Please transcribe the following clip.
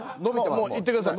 もういってください。